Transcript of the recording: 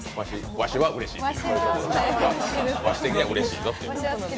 ワシ的にはうれしいぞっていう。